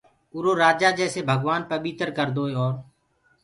اُرو رآجآ جيسي ڀگوآن پٻيٚتر ڪردوئي اورَ